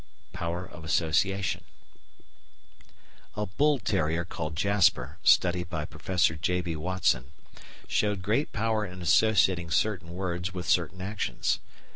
] Power of Association A bull terrier called Jasper, studied by Prof. J. B. Watson, showed great power of associating certain words with certain actions.